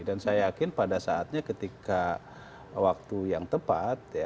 dan saya yakin pada saatnya ketika waktu yang tepat